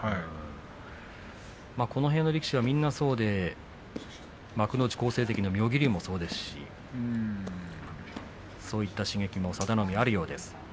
この辺の力士はみんなそうで幕内好成績、妙義龍の相撲そういう刺激も佐田の海にはあるようです。